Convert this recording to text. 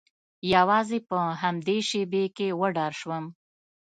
یوازې په همدې شیبې کې وډار شوم